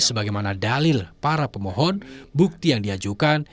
sebagaimana dalil para pemohon bukti yang diajukan